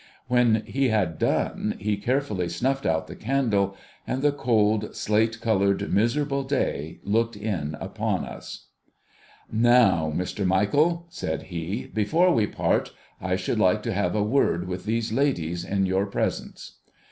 When he had done, he carefully snufted out the candle ; and the cold, slate coloured, miserable day looked in upon us. so THE POOR RELATION'S STORY ' Now, Mr, Michael,' said lie, ' before we part, I should like to have a word with these ladies in your presence.'